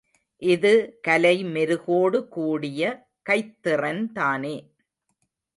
இது கலை மெருகோடு கூடிய கைத்திறன்தானே.